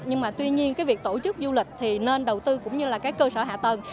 nhưng mà tuy nhiên cái việc tổ chức du lịch thì nên đầu tư cũng như là cái cơ sở hạ tầng